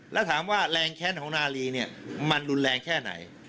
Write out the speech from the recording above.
แล้วถามว่าแรงแค้นของนาลีเนี่ยมันรุนแรงแค่ไหน